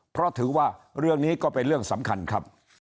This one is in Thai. เพราะถือว่าเรื่องนี้ก็เป็นเรื่องสำคัญครับ